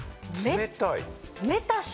冷たい。